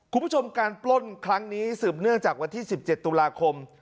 คุณผู้ชมการปล้นครั้งนี้สืบเนื่องจากวันที่๑๗ตุลาคม